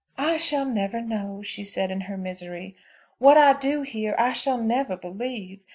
"I shall never know," she said in her misery. "What I do hear I shall never believe.